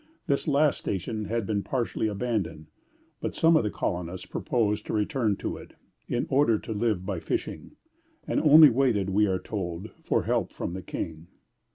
This last station had been partially abandoned; but some of the colonists proposed to return to it, in order to live by fishing, and only waited, we are told, for help from the King.